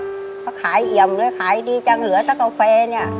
เพราะขายเอี่ยมเลยขายดีจังเหลือถ้ากาแฟเนี่ย